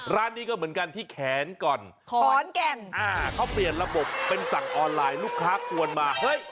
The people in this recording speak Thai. ร้านนี้ก็เหมือนกันที่แขนก่อนพรกักเปลี่ยนระบบตนสั่งออนไลน์ลูกค้าตัวมาเฮ้ย